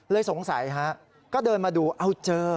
สงสัยฮะก็เดินมาดูเอาเจอ